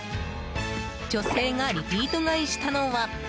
女性がリピート買いしたのは。